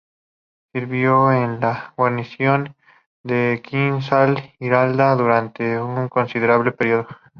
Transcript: Sirvió en la guarnición de Kinsale, Irlanda, durante un considerable período.